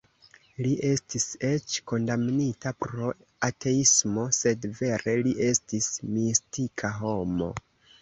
Li estis eĉ "kondamnita pro ateismo", sed vere li estis mistika homo.